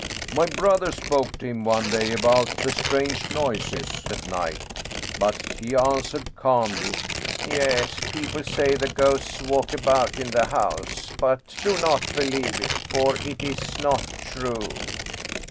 My brother spoke to him one day about the strange noises at night ; but he answered calmly, ' Yes, people say the ghosts walk about in the house. But do not believe it, for it is not true."